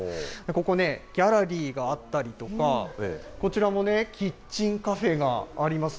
ここね、ギャラリーがあったりとか、こちらも、キッチンカフェがあります。